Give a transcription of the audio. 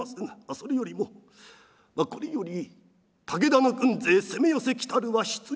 それよりもこれより武田の軍勢攻め寄せきたるは必定。